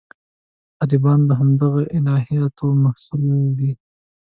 طالبان د همدغه الهیاتو محصول دي.